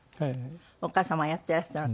お母様やっていらしたのかしら。